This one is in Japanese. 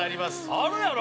あるやろ？